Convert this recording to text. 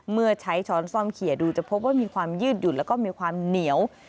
เมื่อใช้ช้อนซ่อมเขียดูจะพบว่ามีความยืดหยุ่นแล้วก็มีความเหนียว